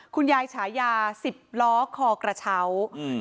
คุณยายฉายาสิบล้อคอกระเฉาอืม